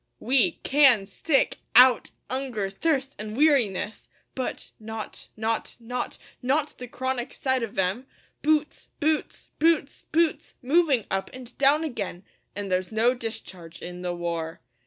We can stick out 'unger, thirst, an' weariness, But not not not not the chronic sight of 'em Boots boots boots boots moving up and down again! An' there's no discharge in the war.